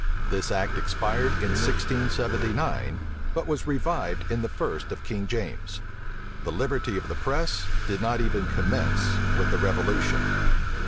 This act expired in 1679; but was revived in the first of King James. The liberty of the press did not even commence with the revolution.